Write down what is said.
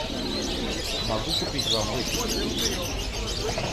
Могу купить вам выпить?